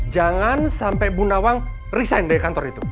jangan sampai bunda awang resign dari kantor itu